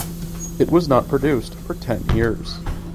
It was not produced for ten years.